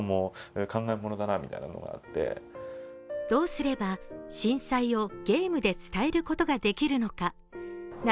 どうすれば震災をゲームで伝えることができるのか。